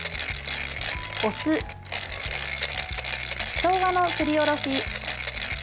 お酢、しょうがのすりおろし。